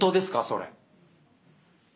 それ。